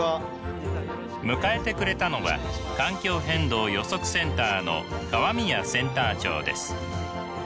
迎えてくれたのは環境変動予測センターの河宮センター長です。